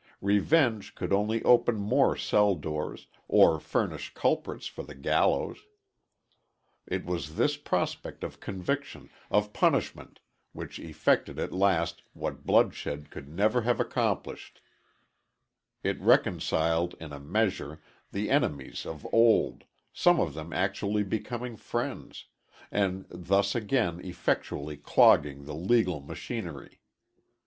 Revenge could only open more cell doors, or furnish culprits for the gallows. It was this prospect of conviction, of punishment, which effected at last what bloodshed could never have accomplished it reconciled in a measure the enemies of old, some of them actually becoming friends, and thus again effectually clogging the legal machinery.